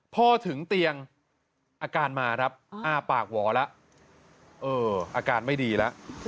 พอถึงเตียงอาการมาครับอ้าปากหวอแล้วอาการไม่ดีแล้ว